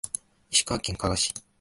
石川県加賀市